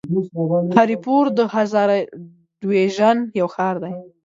هري پور د هزاره ډويژن يو ښار دی.